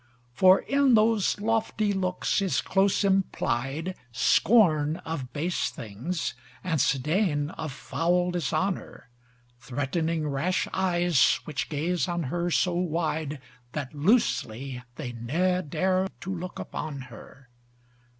For in those lofty looks is close implied, Scorn of base things, and sdeigne of foul dishonor: Threatening rash eyes which gaze on her so wide, That loosely they ne dare to look upon her.